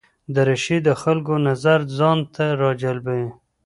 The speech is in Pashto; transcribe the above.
دریشي د خلکو نظر ځان ته راجلبوي.